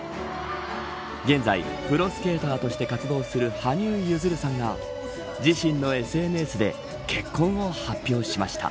現在プロスケーターとして活動する羽生結弦さんが自身のＳＮＳで結婚を発表しました。